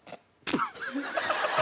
ハハハハ！